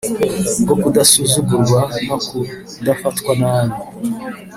bwo kudasuzugurwa no kudafatwa nabi.